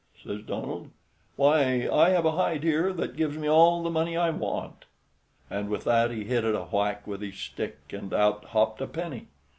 says Donald; "why, I have a hide here that gives me all the money I want." And with that he hit it a whack with his stick, and out hopped a penny.